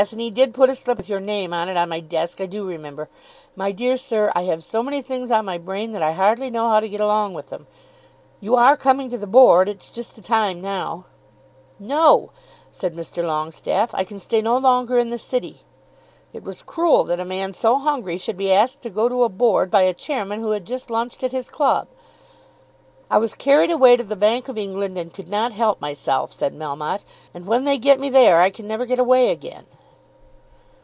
And he did put a slip with your name on it on my desk. I do remember. My dear sir, I have so many things on my brain, that I hardly know how to get along with them. You are coming to the Board? It's just the time now." "No;" said Mr. Longestaffe. "I can stay no longer in the City." It was cruel that a man so hungry should be asked to go to a Board by a chairman who had just lunched at his club. "I was carried away to the Bank of England and could not help myself," said Melmotte. "And when they get me there I can never get away again."